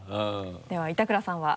では板倉さんは？